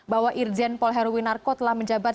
bahwa irjen paul heruwinarko telah menjabat